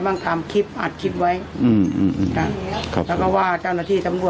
ไปว่าต่ออีกบ้านคืออย่างหน้ว่าก้าว